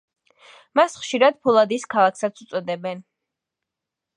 მას ხშირად ფოლადის ქალაქსაც უწოდებენ.